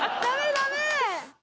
ダメ！